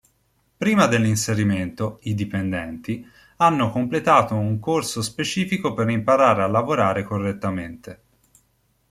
Prima dell’inserimento, i dipendenti, hanno completato un corso specifico per imparare a lavorare correttamente.